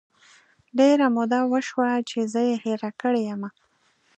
ډیره موده وشوه چې زه یې هیره کړی یمه